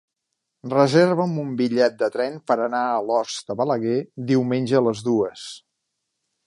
Reserva'm un bitllet de tren per anar a Alòs de Balaguer diumenge a les dues.